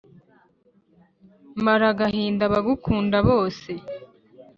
mara agahinda abagukunda bose